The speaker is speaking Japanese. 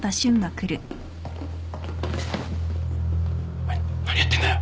お前何やってんだよ？